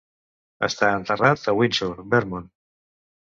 Està enterrat a Windsor, Vermont.